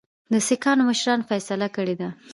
د سیکهانو مشرانو فیصله کړې ده.